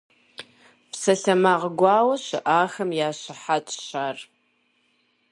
Псалъэмакъ гуауэ щыӏахэм я щыхьэтщ ар.